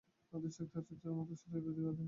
তাতেই শক্তিমান আচার্যদের শরীরে ব্যাধি-আদি হয়।